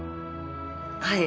はい。